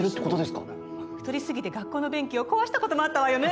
太りすぎて学校の便器を壊した事もあったわよね。